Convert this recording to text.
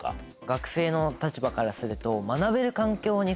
学生の立場からすると。